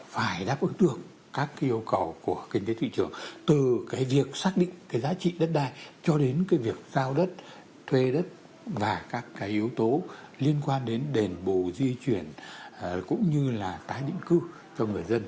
phải đáp ứng được các yêu cầu của kinh tế thị trường từ cái việc xác định cái giá trị đất đai cho đến cái việc giao đất thuê đất và các cái yếu tố liên quan đến đền bù di chuyển cũng như là tái định cư cho người dân